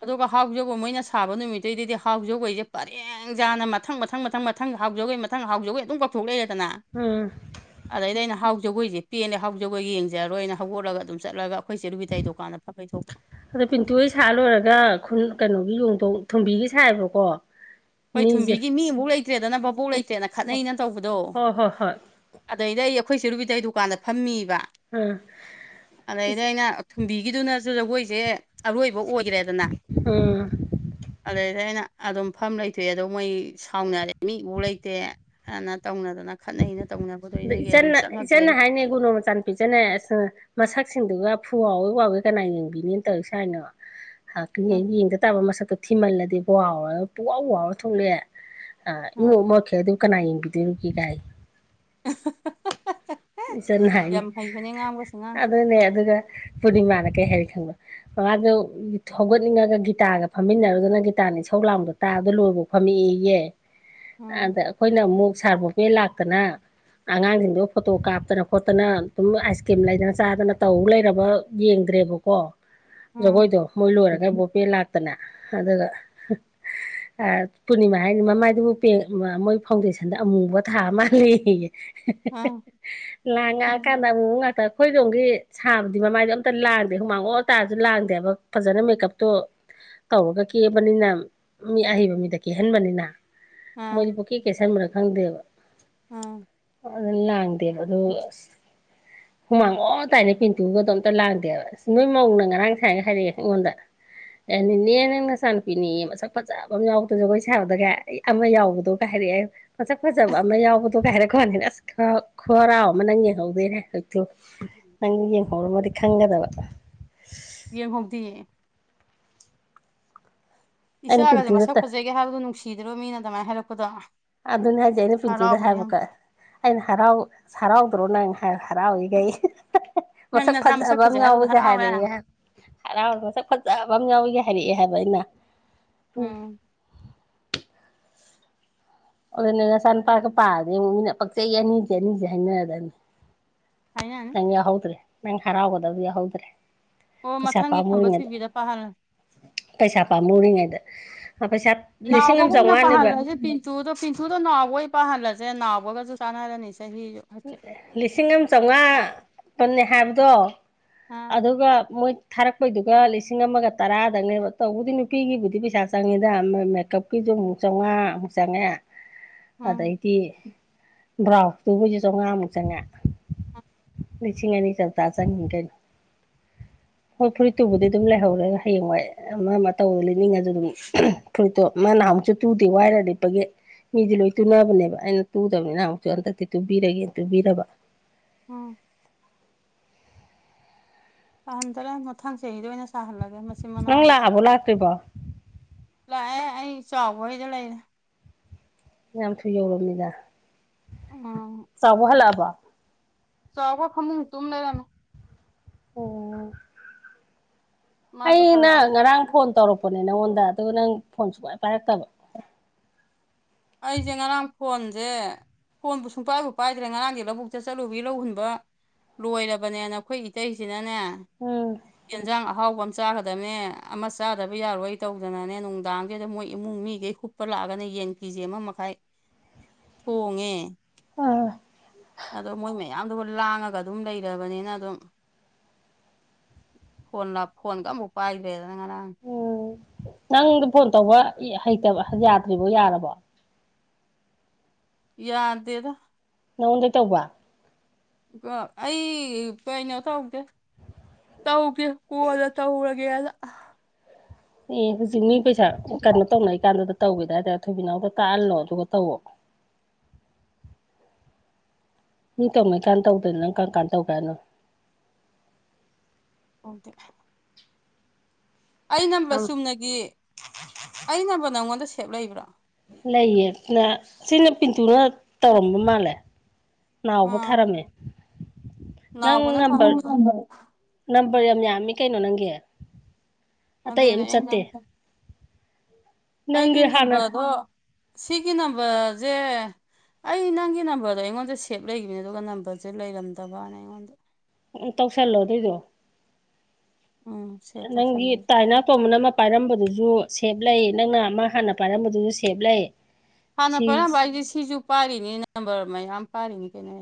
ꯑꯗꯨꯒ ꯍꯥꯎ ꯖꯒꯣꯏ ꯃꯣꯏꯅ ꯁꯥꯕ ꯅꯨꯃꯤꯠꯇꯨꯗꯗꯤ ꯍꯥꯎ ꯖꯒꯩꯁꯦ ꯄꯔꯦꯡꯖꯥꯅ ꯃꯊꯪ ꯃꯊꯪ ꯃꯊꯪ ꯃꯊꯪ ꯍꯥꯎꯖꯕꯩ ꯃꯊꯪ ꯍꯥꯎ ꯖꯒꯣꯏ ꯑꯗꯨꯝ ꯀꯧꯊꯣꯛꯂꯛꯑꯦꯗꯅ ꯎꯝ ꯑꯗꯩꯗ ꯑꯩꯅ ꯍꯥꯎ ꯖꯒꯣꯏꯁꯦ ꯄꯦꯅꯦ ꯍꯥꯎ ꯖꯒꯣꯏ ꯌꯦꯡꯖꯔꯣꯏꯅ ꯍꯧꯒꯠꯂꯒ ꯑꯗꯨꯝ ꯆꯠꯂꯒ ꯑꯩꯈꯣꯏꯁꯦꯔꯨꯕꯤꯇꯥꯏ ꯗꯨꯀꯥꯟꯗ ꯐꯛ ꯀꯩ ꯊꯣꯛꯄ ꯑꯗ ꯄꯤꯟꯇꯨ ꯍꯣꯏ ꯁꯥ ꯂꯣꯏꯔꯒ ꯈꯨꯟ ꯀꯩꯅꯣꯒꯤ ꯌꯣꯡꯊꯣꯡ ꯊꯨꯝꯕꯤꯒꯤ ꯁꯥꯏꯌꯦꯕꯀꯣ ꯄꯣꯏꯊꯨꯝꯕꯤꯒꯤ ꯃꯤ ꯑꯃꯨꯛ ꯂꯩꯇ꯭ꯔꯦꯗꯅ ꯚꯕꯣꯛ ꯂꯩ ꯇꯦꯅ ꯈꯠꯅꯩꯅ ꯇꯧꯕꯗꯣ ꯍꯣꯏ ꯍꯣꯏ ꯍꯣꯏ ꯑꯗꯩꯗ ꯑꯩ ꯑꯩꯈꯣꯏꯁꯤ ꯔꯨꯕꯤꯇꯩꯩ ꯗꯨꯀꯥꯟꯗ ꯐꯝꯃꯤꯕ ꯕ ꯑꯥ ꯑꯗꯩꯗ ꯑꯩꯅ ꯊꯨꯝꯕꯤꯒꯤꯗꯨꯅꯁꯨ ꯖꯒꯣꯏꯁꯦ ꯑꯔꯣꯏꯕ ꯑꯣꯏꯈ꯭ꯔꯦꯗꯅ ꯑꯥ ꯑꯗꯨꯗꯩꯗꯤ ꯑꯩꯅ ꯑꯗꯨꯝ ꯐꯝ ꯂꯩ ꯊꯣꯛꯑ ꯑꯗꯣ ꯃꯣꯏ ꯁꯥꯎꯅꯔꯦ ꯃꯤꯕꯨ ꯂꯩꯇꯦ ꯍꯥꯏꯅ ꯇꯧꯅꯗꯅ ꯈꯠꯅꯩꯅ ꯇꯧꯅ ꯑꯗꯨ ꯏꯆꯟꯅ ꯏꯆꯟꯅ ꯍꯥꯏꯅ ꯒꯨꯅꯨ ꯃꯆꯥꯟ ꯄꯤꯖꯅ ꯑꯁ ꯃꯁꯛꯁꯤꯡꯗꯨꯒ ꯊꯨꯋꯎꯋꯦ ꯋꯥꯎꯋꯦ ꯀꯅꯥ ꯌꯦꯡꯕꯤꯅꯤꯅ ꯇꯧꯔꯤꯁ ꯍꯥꯏꯅ ꯎꯝ ꯌꯦꯡꯗ ꯇꯥꯕ ꯃꯁꯛ ꯊꯤꯃꯜꯂꯗꯤ ꯄꯨꯍꯥꯎ ꯋꯥꯎꯔ ꯊꯣꯛꯂꯛꯑꯦ ꯎꯝ ꯏꯉꯣꯛ ꯃꯣꯠꯈꯩ ꯀꯅꯥ ꯌꯦꯡꯕꯤꯗꯣꯏꯔꯨꯒꯦ ꯒꯥꯏ ꯑ ꯍ ꯍ ꯍ ꯏꯆꯟ ꯍꯥꯏꯅꯤ ꯉꯥꯡꯕꯁꯦ ꯉꯥꯡ ꯑꯗꯨꯅꯦ ꯑꯗꯨꯒ ꯄꯨꯅꯤꯃꯥꯅ ꯀꯩ ꯍꯥꯏꯔꯤ ꯈꯪꯕꯣ ꯃꯉꯥꯗꯨ ꯍꯧꯒꯠꯅꯤꯡꯉꯒ ꯒꯤꯇꯥꯔꯒ ꯐꯝꯃꯤꯟꯅꯔꯨꯗꯅ ꯒꯤꯇꯥꯔꯅ ꯁꯧ ꯂꯥꯡꯗꯣ ꯇꯥꯔ ꯥꯗ ꯂꯣꯏꯕ ꯐꯝꯃꯛꯏꯌꯦꯦ ꯎꯝ ꯑꯗ ꯑꯩꯈꯣꯏꯅ ꯑꯃꯨꯛ ꯁꯥꯔ ꯣꯕꯦ ꯂꯥꯛꯇꯅ ꯑꯉꯥꯡꯁꯤꯡꯗꯣ ꯐꯣꯇꯣ ꯀꯥꯞꯇꯅ ꯈꯣꯠꯇꯅ ꯑꯗꯨꯝ ꯑꯥꯏꯁ ꯀ꯭ꯔꯤꯝ ꯂꯩꯗꯅ ꯆꯥꯗꯅ ꯇꯧ ꯂꯩꯔꯕ ꯌꯦꯡꯗ꯭ꯔꯦꯕꯀꯣ ꯎꯝ ꯖꯒꯣꯏꯗꯣ ꯃꯣꯏ ꯂꯣꯏꯔꯒ ꯕꯣꯄꯦ ꯂꯥꯛꯇꯅ ꯑꯗꯨꯒ ꯄꯨꯔꯅꯤꯃꯥ ꯍꯥꯏꯅꯤ ꯃꯃꯥꯏꯗꯨꯕꯨ ꯃꯣꯏ ꯐꯥꯎꯟꯗꯦꯁꯟꯗ ꯑꯃꯨꯕ ꯊꯥ ꯑꯃ ꯂꯩꯌꯦ ꯎꯝ ꯂꯥꯡꯉꯥ ꯀꯥꯟꯗ ꯃꯉꯇ ꯑꯩꯈꯣꯏꯗꯣꯝꯒꯤ ꯁꯥꯕꯗꯤ ꯃꯃꯥꯏꯗꯣ ꯑꯝꯇ ꯂꯥꯡꯗꯦ ꯍꯨꯃꯥꯡ ꯑꯣ ꯇꯥꯔꯁꯨ ꯂꯥꯡꯗꯦꯕ ꯐꯖꯅ ꯃꯦꯀꯞꯇꯣ ꯇꯧꯔꯒ ꯀꯦꯕꯅꯤꯅ ꯃꯤ ꯑꯍꯩꯕ ꯃꯤꯗ ꯀꯦꯍꯟꯕꯅꯤꯅ ꯃꯣꯏꯗꯤ ꯄꯨ ꯀꯦ ꯀꯩ ꯁꯟꯝꯕ꯭ꯔꯥ ꯈꯪꯗꯦꯕ ꯑꯥ ꯑꯗꯨꯅ ꯂꯥꯡꯗꯦꯕ ꯑꯗꯨ ꯑꯁ ꯍꯨꯃꯥꯡ ꯑꯣꯔ ꯇꯥꯏꯅꯦ ꯄꯤꯟꯇꯨꯒꯗꯣ ꯑꯝꯇ ꯂꯥꯡꯗꯦꯕ ꯑꯁ ꯅꯣꯏ ꯑꯦꯅꯦꯅꯦ ꯅꯪ ꯅꯆꯥꯅꯨꯄꯤꯅꯦ ꯃꯁꯛ ꯐꯖꯕ ꯑꯃ ꯌꯥꯎꯗ꯭ꯔ ꯖꯒꯣꯏ ꯁꯥꯕꯗꯒ ꯑꯩ ꯑꯃ ꯌꯥꯎꯕꯗꯣ ꯀꯩ ꯍꯥꯏ ꯗꯤ ꯑꯩ ꯐꯁꯛ ꯐꯖꯕ ꯑꯃ ꯌꯥꯎꯕꯗꯣ ꯀꯥꯏꯔꯦꯀꯣꯅꯦ ꯑꯁ ꯈꯔꯥꯎ ꯑꯃ ꯅꯪ ꯌꯦꯡꯍꯧꯗꯣꯏꯅꯦ ꯑꯗꯨ ꯅꯪ ꯌꯦꯡꯍꯧꯔꯝꯃꯗꯤ ꯈꯪꯒꯗꯕ ꯌꯦ ꯍꯛꯗꯤꯑ ꯑꯩꯅ ꯏꯆꯥꯒꯁꯦ ꯃꯁꯛ ꯄꯤꯟꯇꯨꯗ ꯐꯖꯒꯦ ꯍꯥꯏꯕꯗꯨꯣ ꯅꯨꯡꯁꯤꯗ꯭ꯔꯣ ꯃꯤꯅ ꯑꯗꯨꯃꯥꯏꯅ ꯍꯥꯏꯔꯛꯄꯗꯣ ꯑꯗꯨꯅꯤ ꯍꯥꯏꯁꯦ ꯑꯩꯅ ꯄꯤꯟꯇꯨꯗ ꯍꯔꯥꯎꯕꯅꯦ ꯌꯥꯝ ꯍꯥꯏꯕꯀ ꯑꯩꯅ ꯍꯔꯥꯎ ꯍꯔꯥꯎ ꯄ꯭ꯔꯣ ꯅꯪ ꯍꯥꯏ ꯍꯔ ꯑꯣꯏꯒ ꯅꯪ ꯃꯁꯛ ꯅꯆꯥ ꯐꯖꯕ ꯑꯃ ꯐꯖꯩ ꯍꯥꯏꯕꯗꯣ ꯌꯥꯎꯋꯤꯒ ꯍꯔꯥꯎꯔꯦ ꯍꯥꯏꯔꯏ ꯍꯔꯥꯎ ꯃꯁꯛ ꯐꯖꯕ ꯑꯃ ꯌꯥꯎꯏꯒ ꯍꯥꯏꯔꯛꯑꯦ ꯍꯥꯏꯕ ꯑꯩꯅ ꯎꯝ ꯑꯗꯨꯅ ꯅꯆꯥꯄꯥꯄꯥꯛꯀ ꯄꯥꯔꯗꯤ ꯑꯃꯨꯛ ꯃꯤꯅ ꯄꯛꯆꯩ ꯑꯅꯤꯁꯦ ꯑꯅꯤꯁꯦ ꯍꯥꯏꯅꯔꯗꯅꯤ ꯍꯥꯏꯅꯅꯤ ꯅꯪ ꯌꯥ ꯍꯧꯗ꯭ꯔꯔꯤ ꯅꯪ ꯍꯔꯥꯎꯒꯗꯕ ꯌꯥ ꯍꯧꯗ꯭ꯔꯔꯤ ꯑꯣ ꯄꯩꯁꯥ ꯃꯊꯪꯒꯤ ꯈꯝꯕ ꯄꯥꯝꯃꯨꯔꯤꯉꯗ ꯊꯣꯏꯕꯤꯗ ꯄꯥꯍꯜꯂꯣ ꯄꯩꯁꯥ ꯄꯥꯝꯃꯨꯔꯤꯉꯩꯗ ꯄꯩꯁꯥ ꯂꯤꯁꯤꯡ ꯑꯃ ꯅꯅꯥꯕꯣꯕꯨ ꯏꯅ ꯆꯥꯝꯃꯉꯥꯅꯦꯕ ꯄꯥꯔꯂꯁꯤꯦ ꯄꯟꯊꯨꯗ ꯄꯤꯡꯊꯨꯗ ꯅꯅꯥꯕꯣ ꯄꯍꯜꯂꯁꯦ ꯅꯥꯎꯕꯒꯁꯨ ꯆꯥꯟꯅꯔꯅꯤꯁꯦ ꯂꯤꯁꯤꯡ ꯑꯃ ꯆꯥꯝꯃꯉꯥ ꯀꯟꯅꯦ ꯍꯥꯏꯕꯗꯣ ꯑꯥ ꯑꯗꯨꯒ ꯃꯣꯏ ꯊꯥꯔꯛꯄꯩꯗꯨꯒ ꯂꯤꯁꯤꯡ ꯑꯃꯒ ꯇꯔꯥꯗꯪꯅꯦꯕ ꯇꯧꯕꯗꯤ ꯅꯨꯄꯤꯒꯤꯕꯨꯗꯤ ꯄꯩꯁꯥ ꯆꯪꯉꯤꯗ ꯃꯦꯀꯞꯀꯤ ꯃꯨꯛ ꯆꯥꯝꯃꯉꯥꯃꯨꯛ ꯆꯪꯉꯦ ꯎꯝ ꯑꯗꯩꯗꯤ ꯕ꯭ꯔꯥꯎꯇꯨꯕꯨꯁꯨ ꯆꯥꯝꯃꯉꯥꯃꯨꯛ ꯆꯪꯉꯛ ꯂꯤꯁꯤꯡ ꯑꯅꯤ ꯆꯝꯥ ꯆꯪꯈꯤꯟ ꯀꯩꯅꯣ [inaudible] ꯍꯣꯏ ꯐꯨꯔꯤꯠꯇꯨꯕꯨꯗꯤ ꯑꯗꯨꯝ ꯂꯩꯍꯧꯔꯦ ꯍꯌꯦꯡꯋꯥꯏ ꯑꯃ ꯑꯃ ꯇꯧꯕ ꯂꯤꯅꯤꯡꯉꯁꯨ ꯑꯗꯨꯝ ꯐꯨꯔꯤꯠꯇꯣ ꯃꯥꯅ ꯨꯛ ꯇꯨꯗꯦ ꯋꯥꯏꯔ ꯂꯤꯦꯞꯄꯒꯤ ꯃꯤꯗꯤ ꯂꯣꯏ ꯇꯨꯅꯕꯅꯦꯕ ꯑꯩꯅ ꯇꯨꯗꯕꯅꯤꯅ ꯑꯃꯨꯛꯁꯨ ꯍꯟꯗꯛꯇꯤ ꯄꯔꯒꯦ ꯇꯨꯕꯤꯔꯕ ꯎꯝ ꯇꯥꯍꯟꯗꯔꯦ ꯃꯊꯥꯡꯁꯦꯩꯗ ꯑꯣꯏꯅ ꯁꯥꯍꯜꯂꯒꯦ ꯃꯆꯤꯟ ꯃꯅꯥꯎ ꯑꯃ ꯅꯪꯪꯂꯥꯛꯑꯕꯣ ꯂꯥꯛꯇꯣꯏꯔꯤꯕ ꯂꯥꯛꯑꯦ ꯑꯩ ꯆꯥꯎꯕꯩꯗ ꯂꯩꯔꯦ ꯌꯥꯝ ꯊꯨ ꯌꯧꯔꯕꯝꯃꯤꯗ ꯎꯝ ꯆꯥꯎꯕ ꯍꯜꯂꯛꯑꯕ ꯆꯥꯎꯕ ꯐꯪꯗꯅꯤ ꯇꯝ ꯂꯩꯔꯅꯤ ꯑꯣ ꯃꯥꯁꯨ ꯑꯩꯅ ꯍꯜꯂꯛꯑꯝ ꯉꯔꯥꯡ ꯐꯣꯟ ꯇꯧꯔꯛꯄ ꯅꯦ ꯅꯪꯉꯣꯟꯗ ꯑꯗꯨꯒ ꯅꯪ ꯐꯣꯟꯁꯨ ꯀ ꯄꯥꯏꯔꯛꯇꯕ ꯑꯩꯁꯦ ꯉꯔꯥꯡ ꯐꯣꯟꯁꯦ ꯐꯣꯟꯕꯨ ꯁꯨꯡꯄꯥꯏꯕꯨ ꯄꯥꯏꯗ꯭ꯔꯦ ꯉꯔꯥꯡꯗꯤ ꯂꯧꯕꯨꯛꯇ ꯆꯠꯂꯨꯕꯤ ꯂꯧꯍꯨꯟꯕ ꯂꯣꯏꯔꯕꯅꯦ ꯅꯈꯣꯏ ꯏꯇꯩꯁꯤꯅꯅꯦ ꯎꯝ ꯑꯦꯦꯟꯁꯥꯡ ꯑꯍꯥꯎꯕ ꯆꯥꯒꯗꯕꯅꯦ ꯑꯃ ꯆꯥꯗꯕ ꯌꯥꯔꯣꯏ ꯇꯧꯗꯅꯅꯦ ꯅꯨꯡꯗꯥꯡꯒꯤꯗ ꯃꯣꯏ ꯏꯃꯨꯡ ꯃꯤꯈꯩ ꯍꯨꯞꯄ ꯂꯥꯛꯑꯒꯅ ꯌꯦꯟ ꯀꯦꯖꯤ ꯑꯃ ꯃꯈꯥꯏ ꯊꯣꯡꯉꯦ ꯑꯥ ꯃꯗ ꯂꯥꯡꯉꯒ ꯑꯗꯨꯝ ꯂꯩꯔꯕꯅꯤꯅ ꯑꯗꯨꯝ ꯐꯣꯟ ꯐꯣꯟꯒ ꯑꯃꯨꯛ ꯄꯥꯏꯗ꯭ꯔꯦꯗꯅ ꯉꯔꯥꯡ ꯎ ꯅꯪꯗ ꯐꯣꯟ ꯇꯧꯕ ꯍꯩꯇꯕ ꯌꯥꯗ꯭ꯔꯤꯕꯣ ꯌꯥꯔꯕꯣ ꯌꯥꯔꯗꯗ ꯅꯉꯣꯟꯗꯩ ꯇꯧꯕ ꯑꯩ ꯀꯩꯅꯣ ꯇꯧꯗꯦ ꯇꯎꯒ ꯀꯨꯋꯥꯗ ꯇꯥꯎꯒ ꯑꯦ ꯍꯧꯖꯤꯛ ꯃꯤ ꯄꯩꯁꯥ ꯀꯩꯅꯣ ꯇꯧꯅꯩ ꯀꯥꯟꯗꯨꯗ ꯇꯧꯒꯦꯗ ꯍꯥꯏꯇꯥꯔꯦ ꯑꯊꯣꯏꯕꯤꯅꯥꯎꯗ ꯇꯥꯛꯍꯜꯂꯣ ꯑꯗꯨꯒ ꯇꯧꯋꯣ ꯃꯤ ꯇꯧꯃꯩ ꯀꯥꯟ ꯇꯧꯗꯅ ꯅꯪ ꯀꯔ ꯀꯥꯟ ꯇꯧꯈ꯭ꯔꯅꯣ ꯑꯣꯗꯦ ꯑꯩ ꯌꯥꯝ ꯅꯝꯕꯔ ꯆꯨꯝꯅꯒꯤ ꯑꯩ ꯅꯝꯕꯔ ꯅꯪꯉꯣꯟꯗ ꯁꯦꯞ ꯂꯩꯕ꯭ꯔꯣ ꯂꯩꯌꯦ ꯁꯤꯅ ꯄꯤꯟꯇꯨꯅ ꯇꯧꯔꯝꯕ ꯃꯥꯜꯂꯦ ꯅꯥꯕꯨ ꯊꯥꯔꯝꯃꯦ ꯅꯅꯥꯕꯨꯅ ꯊ ꯕꯔ ꯌꯥꯝ ꯌꯥꯝꯃꯤ ꯀꯩꯅꯣ ꯅꯪꯒꯤ ꯑꯗꯨ ꯑꯇꯩ ꯑꯝ ꯑꯗꯨꯅꯦ ꯆꯠꯇꯦ ꯑꯩꯒꯤ ꯅꯪꯒꯤ ꯍꯥꯟꯅ ꯅꯝꯕꯔꯗꯣ ꯁꯤꯒꯤ ꯅꯝꯕꯔꯁꯦ ꯑꯩ ꯅꯪꯒꯤ ꯅꯝꯕꯔꯗꯣ ꯑꯩꯉꯣꯟꯗ ꯁꯦꯞ ꯂꯩꯈꯤꯕꯅꯦ ꯑꯗꯨꯒ ꯅꯝꯕꯔꯁꯦ ꯂꯩꯔꯝꯗꯕꯅ ꯑꯩꯉꯣꯟꯗ ꯎꯝ ꯇꯧꯁꯜꯂꯣ ꯑꯗꯨꯏꯗꯣ ꯎꯝ ꯁꯦꯞ ꯅꯪꯒꯤ ꯇꯧꯁꯟꯕꯅꯤ ꯇꯥꯏꯅꯥ ꯄꯣꯃꯟ ꯑꯃ ꯄꯥꯏꯔꯝꯕꯗꯨꯁꯨ ꯑꯗꯨ ꯁꯦꯞ ꯂꯩ ꯅꯪꯅ ꯑꯃ ꯍꯥꯟꯅ ꯄꯥꯏꯔꯝꯕꯗꯨꯁꯨ ꯁꯦꯞ ꯂꯩ ꯍꯥꯟꯅ ꯁꯤ ꯐꯔꯝꯕ ꯑꯩꯗꯤ ꯁꯤꯁꯨ ꯄꯥꯔꯤꯅꯤ ꯅꯝꯕꯔ ꯃꯌꯥꯝ ꯄꯥꯔꯤꯅꯤ ꯀꯩꯅꯣ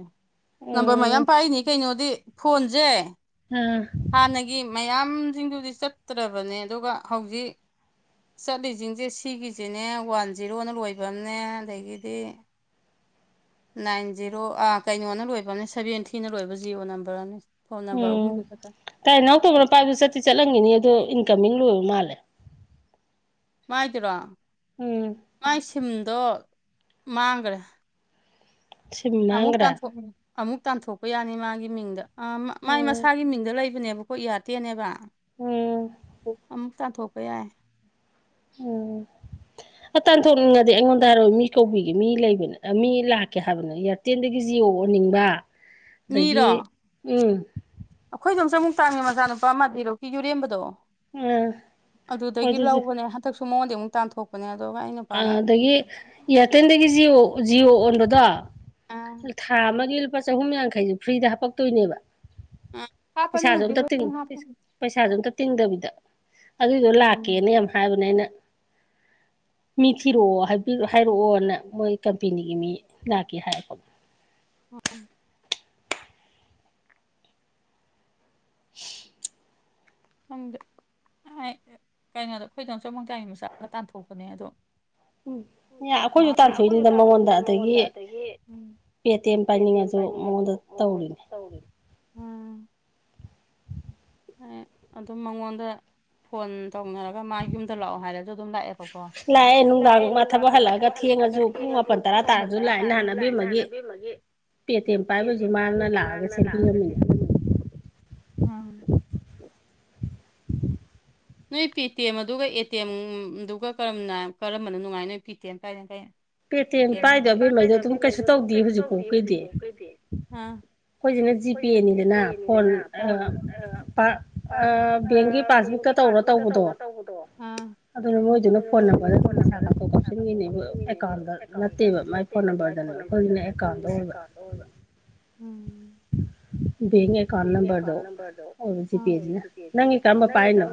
ꯅꯝꯕꯔ ꯎꯝ ꯃꯌꯥꯝ ꯄꯥꯏꯔꯤꯅꯤ ꯀꯩꯅꯣꯗꯤ ꯐꯣꯟꯁꯦ ꯑꯥ ꯍꯥꯟꯅꯒꯤ ꯃꯌꯥꯝꯁꯤꯡꯗꯨꯗꯤ ꯆꯠꯇ꯭ꯔꯕꯅꯦ ꯑꯗꯨꯒ ꯍꯧꯖꯤꯛ ꯆꯠꯂꯤꯁꯤꯡꯁꯦ ꯁꯤꯒꯤꯁꯤꯅꯦ ꯋꯥꯟ ꯖꯤꯔꯣꯅ ꯂꯣꯏꯐꯝꯅꯦ ꯑꯗꯒꯤꯗꯤ ꯅꯥꯏꯟ ꯖꯤꯔꯣ ꯑꯥ ꯀꯩꯅꯣꯅ ꯂꯣꯏꯕꯅꯦ ꯁꯦꯚꯦꯟꯊꯤꯅ ꯂꯣꯏꯕ ꯖꯤꯔꯣ ꯅꯝꯕꯔ ꯑꯅꯤ ꯎꯝ ꯇꯥꯏ ꯏꯅꯥꯎ ꯇꯧꯕꯅ ꯄꯥꯏꯕꯗꯨ ꯆꯠꯇꯤ ꯆꯠꯂꯝꯈꯤꯅꯤ ꯑꯗꯨꯣ ꯀꯃꯤꯅ ꯂꯣꯏꯕ ꯃꯥꯜꯂꯦ ꯃꯥꯏꯗꯨꯔꯣ ꯎꯝ ꯃꯥꯏ ꯁꯤꯝꯗꯣ ꯃꯥꯡꯈ꯭ꯔꯦ ꯁꯤꯝ ꯑꯃꯨꯛ ꯃꯥꯡꯒ꯭ꯔꯦ ꯇꯥꯟꯊꯣꯛ ꯑꯃꯨꯛ ꯇꯥꯟꯊꯣꯛꯄ ꯌꯥꯅꯤ ꯃꯥꯒꯤ ꯃꯤꯡꯗ ꯃꯥꯏ ꯎꯝ ꯃꯁꯥꯒꯤ ꯃꯤꯡꯗ ꯂꯩ ꯁꯤꯕꯅꯦꯕ ꯑꯩꯈ ꯌꯥꯗꯦꯅꯦꯕ ꯎꯝ ꯑꯃꯨꯛ ꯇꯥꯟꯊꯣꯛꯄ ꯌꯥꯏ ꯎꯝ ꯑ ꯇꯥꯟꯊꯣꯛꯅꯤꯡꯉꯗꯤ ꯑꯩꯉꯣꯟꯗ ꯍꯥꯏꯔ ꯃꯤ ꯀꯧꯕꯤꯒꯦ ꯃꯤ ꯂꯩꯕꯅꯦ ꯃꯤ ꯂꯥꯛꯀꯦ ꯍꯥꯏꯕꯅꯦ ꯏꯌꯥꯔꯇꯦꯟꯗꯒꯤ ꯌꯣꯛꯑꯅꯤꯡꯕ ꯑꯗꯒꯤ ꯎꯝ ꯑꯩꯈꯣꯏꯗꯣ ꯑꯃꯝ ꯆ ꯑꯃꯨꯛꯥꯡꯉ ꯃꯆꯥꯅꯨꯄꯥ ꯑꯃ ꯔꯣꯛꯀꯤ ꯌꯨꯔꯦꯝꯕꯗꯣ ꯑꯥ ꯍꯣꯏ ꯑꯗꯨꯗꯒꯤ ꯑꯗꯨꯁꯨ ꯂꯧꯕꯅꯦ ꯍꯟꯗꯛꯁꯨ ꯃꯉꯣꯟꯗ ꯑꯃꯨꯛ ꯇꯥꯟꯊꯣꯛꯄꯅꯦ ꯑꯗꯨꯒ ꯑꯩ ꯑ ꯅꯨꯄꯥꯅ ꯑꯗꯒꯤ ꯏꯌꯥꯔꯇꯦꯜꯗꯒꯤ ꯖꯤꯑꯣ ꯖꯤꯑꯣ ꯑꯣꯟꯕꯗꯣ ꯑꯥ ꯊꯥ ꯑꯃꯒꯤ ꯂꯨꯄꯥ ꯆꯍꯨꯝ ꯌꯥꯡꯈꯩꯗꯨ ꯐ꯭ꯔꯤꯗ ꯍꯥꯞꯄꯛꯇꯣꯏꯅꯦꯕ ꯑꯥ ꯍꯥꯞꯄꯅꯦ ꯄꯩꯁꯥꯁꯨ ꯍꯧꯖꯤꯛ ꯇ ꯂꯣꯏ ꯍꯥꯞꯄꯅꯦ ꯄꯩꯁꯥꯁꯨ ꯇꯤꯡꯗꯕꯤꯗ ꯑꯗꯨꯏꯗꯣ ꯎꯝ ꯂꯥꯛꯀꯦꯅꯦ ꯍꯥꯏꯕꯅꯦ ꯑꯩꯅ ꯃꯤ ꯊꯤꯔꯛꯑꯣ ꯍꯥꯏꯔꯛꯑꯣꯅ ꯃꯣꯏ ꯀꯝꯄꯦꯅꯤꯒꯤ ꯃꯤ ꯂꯥꯛꯀꯦ ꯍꯥꯏꯔꯛꯄ ꯪ ꯀꯩꯅꯣꯗ ꯑꯩꯈꯣꯏꯗ ꯑꯆ ꯃꯪꯆꯥꯒꯤ ꯃꯆꯥꯗ ꯇꯥꯟꯊꯣꯛꯄꯅꯦ ꯑꯗꯣ ꯎꯝ ꯑꯩꯈꯣꯏꯁꯨ ꯇꯥꯛꯄꯤꯣꯛꯏꯅꯤꯗ ꯃꯉꯣꯟꯗ ꯑꯗꯒꯤ ꯄꯦ ꯇꯤ ꯑꯦꯝ ꯄꯥꯏꯅꯤꯡꯉꯁꯨ ꯃꯉꯣꯟꯗ ꯇꯧꯔꯤꯅꯦ ꯎꯝ ꯑꯗꯨꯝ ꯃꯉꯣꯟꯗ ꯐꯣꯟ ꯇꯧꯅꯔꯒ ꯃꯥ ꯌꯨꯝꯗ ꯂꯥꯛꯑꯣ ꯍꯥꯏꯔꯁꯨ ꯑꯗꯨꯝ ꯂꯥꯛꯑꯦꯕꯀꯣ ꯂꯥꯛꯑꯦ ꯃꯥ ꯅꯨꯡꯗꯥꯡ ꯋꯥ ꯊꯕꯛ ꯍꯜꯂꯛꯑꯒ ꯊꯦꯡꯉꯁꯨ ꯄꯨꯡ ꯊꯦꯡꯉꯁꯨ ꯃꯥꯄꯟ ꯇꯔꯥ ꯄꯨꯡ ꯃꯥꯄꯜ ꯇꯔꯥ ꯂꯥꯛꯑꯦ ꯇꯥꯔꯁꯨ ꯅꯍꯥꯟ ꯂꯥꯛꯑꯦ ꯑꯕꯦꯝꯃꯒꯤ ꯅꯍꯥꯟꯕꯤ ꯑꯃꯒꯤ ꯄꯦ ꯇꯤ ꯑꯦꯝ ꯇꯦꯜ ꯃꯥꯅ ꯄꯥꯏꯕꯩꯁꯨ ꯂꯥꯛꯑꯒ ꯃꯥꯅ ꯁꯦꯝꯕꯤꯔꯝꯃꯤꯅꯦ ꯂꯥꯛꯑꯒꯕꯤ ꯎꯝ ꯅꯣꯏ ꯄꯦ ꯇꯤ ꯑꯦꯝ ꯑꯗꯨꯒ ꯑꯦ ꯇꯤ ꯑꯦꯝꯗꯨꯒ ꯀꯔꯝꯅ ꯀꯔꯝꯕꯅ ꯅꯨꯡꯉꯥꯏ ꯅꯣꯏ ꯄꯦ ꯇꯤ ꯑꯦꯝ ꯀꯥꯏꯅ ꯄꯦꯇꯦꯝ ꯄꯥꯏꯗꯣ ꯀꯩꯅꯩꯅꯣ ꯑꯕꯦꯝꯃꯩꯗꯣ ꯑꯗꯨꯝ ꯀꯥꯏꯗꯒꯦꯉꯩꯗꯣ ꯑꯗꯨꯝ ꯀꯩꯁꯨ ꯇꯧꯗꯦ ꯍꯧꯖꯤꯛꯐꯥꯎꯒꯤꯗꯤ ꯍꯧꯖꯤꯛꯐꯥꯎ ꯀꯩꯗꯤ ꯑꯩꯈꯣꯏꯁꯤꯅ ꯑꯩꯈꯣꯏꯅ ꯖꯤꯄꯦꯅꯤꯗꯅ ꯐꯣꯟ ꯖꯤꯄꯦꯅꯤꯗꯅ ꯕꯦꯡꯒꯤ ꯄꯥꯁꯕꯨꯛꯇ ꯐꯒꯤ ꯇꯧꯔ ꯇꯥꯁꯕꯨꯛꯇ ꯇꯧꯕꯗꯣ ꯇꯧꯔ ꯇꯧꯕꯗꯣ ꯑꯗꯨꯅ ꯃꯣꯏꯗꯨꯅ ꯑꯗꯨꯅ ꯐꯣꯟ ꯃꯣꯏꯗꯨꯅ ꯅꯝꯕꯔꯗ ꯑꯗꯨꯝ ꯐꯣꯟ ꯄꯩꯁꯥ ꯀꯥꯞꯊꯣꯛ ꯀꯥꯞꯁꯤꯟꯒꯤꯅꯦꯕ ꯑꯦꯀꯥꯎꯟꯗ ꯅꯝꯕꯔꯥꯗꯤꯟꯒꯤꯅꯦ ꯀꯥꯎꯟꯗ ꯃꯥꯏ ꯐꯣꯟ ꯅꯠꯇꯦꯕ ꯃꯥꯏ ꯐꯣꯟ ꯅꯝꯕꯔꯗꯅꯦꯕ ꯑꯩꯈꯣꯏꯒꯤꯅ ꯅꯝꯕꯔꯗꯅꯦ ꯑꯦꯀꯥꯎꯟꯗ ꯑꯩꯈꯣꯏꯒꯤꯅ ꯑꯦꯀꯥꯎꯟꯗ ꯑꯣꯏꯕ ꯎ ꯕꯦꯡ ꯑꯦꯀꯥꯎꯟ ꯅꯝꯕꯔꯗꯣ ꯑꯣꯏꯕ ꯖꯤꯄꯦꯁꯤꯅ ꯅꯪꯒꯤ ꯀꯔꯝꯕ ꯄꯥꯏꯔꯤꯅꯣ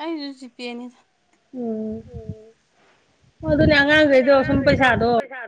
ꯑꯩꯖꯤ ꯄꯅꯤꯗ ꯎꯝ ꯑꯗꯨꯅꯦ ꯑꯉꯥꯡꯈꯩꯗꯣ ꯁꯨꯝ ꯄꯩꯁꯥꯗꯣ